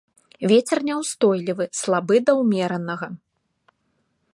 Вецер няўстойлівы, слабы да ўмеранага.